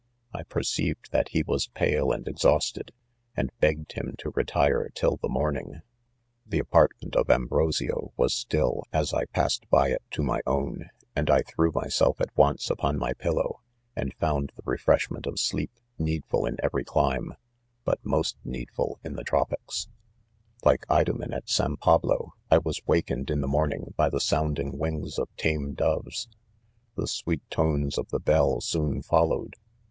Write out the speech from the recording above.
^perceiv^i^tbat he was pale and exhausted, and begged him to retire, till the mornings The apartment of Ambrosio was still, as I passed by it to my own $ and I threw: myself at onca.upoiL my pillow and f bund the refresh ment of sleep needful in^every clime^but most needful in the tropics. :72 • idomen.. Like Women at Sam jPwWo, 1 was awakened in the morning by the sounding wings of tame doves. The sweet torie.s of the bell soon fol lowed.